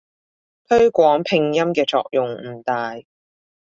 推廣拼音嘅作用唔大